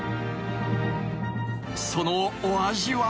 ［そのお味は］